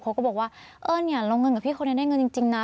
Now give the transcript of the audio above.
เขาก็บอกว่าเออเนี่ยลงเงินกับพี่คนนี้ได้เงินจริงนะ